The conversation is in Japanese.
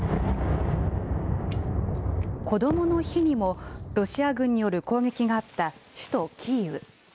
子どもの日にも、ロシア軍による攻撃があった首都キーウ。